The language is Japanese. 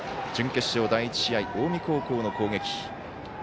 準決勝第１試合、近江高校の攻撃。